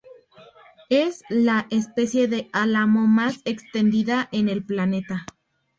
Es la especie de álamo más extendida en el planeta.